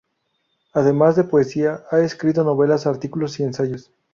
Además de poesía, ha escrito novelas, artículos y ensayos.